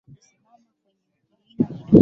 wakati amboka andere akisema hayo